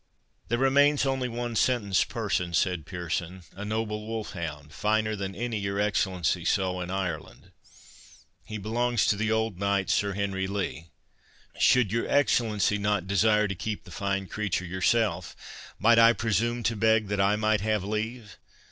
"There remains only one sentenced person," said Pearson, "a noble wolf hound, finer than any your Excellency saw in Ireland. He belongs to the old knight Sir Henry Lee. Should your Excellency not desire to keep the fine creature yourself, might I presume to beg that I might have leave?"